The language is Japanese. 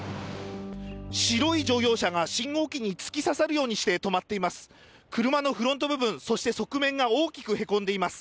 白い乗用車が信号機に突き刺さるようにして止まっています。